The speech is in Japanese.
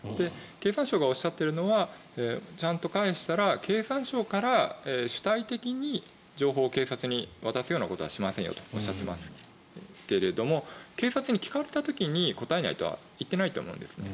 経産省がおっしゃっているのはちゃんと返したら経産省から主体的に情報を警察に渡すようなことはしませんよとおっしゃっていますけども警察に聞かれた時に答えないとは言ってないと思うんですね。